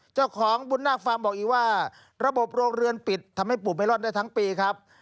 เจ้าของบุญนาคฟาร์มบอกอีกว่าระบบโรงเรือนปิดทำให้ปลูกไม่รอดได้ทั้งปีครับ